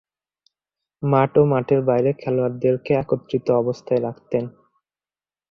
মাঠ ও মাঠের বাইরে খেলোয়াড়দেরকে একত্রিত অবস্থায় রাখতেন।